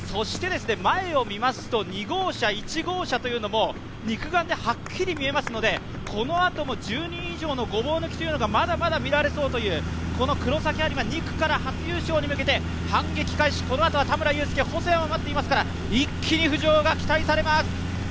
前を見ますと２号車、１号車も肉眼ではっきり見えますので、このあとも１０人以上のごぼう抜きがまだまだ見られそうという黒崎播磨、２区から初優勝に向けて反撃開始、このあとは田村友佑、細谷も待っていますから一気に浮上が期待されます。